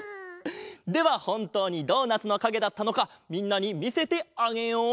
ではほんとうにドーナツのかげだったのかみんなにみせてあげよう。